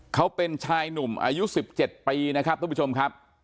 เขาเป็นชายหนุ่มอายุ๑๗ปีนะครับทุกผู้ชมครับ